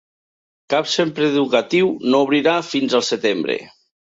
Cap centre educatiu no obrirà fins al setembre.